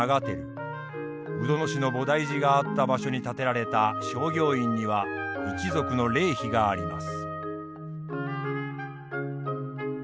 鵜殿氏の菩提寺があった場所に建てられた正行院には一族の霊碑があります。